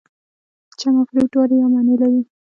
چم او فریب دواړه یوه معنی لري.